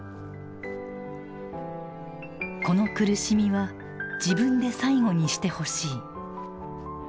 「この苦しみは自分で最後にしてほしい」。